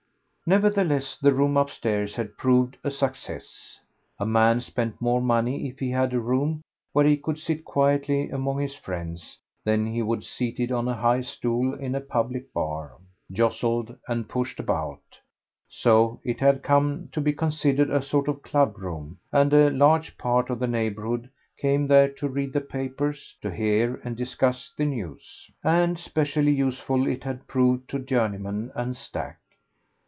Nevertheless the room upstairs had proved a success. A man spent more money if he had a room where he could sit quietly among his friends than he would seated on a high stool in a public bar, jostled and pushed about; so it had come to be considered a sort of club room; and a large part of the neighbourhood came there to read the papers, to hear and discuss the news. And specially useful it had proved to Journeyman and Stack.